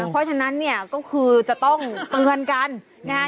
เพราะฉะนั้นเนี่ยก็คือจะต้องเตือนกันนะฮะ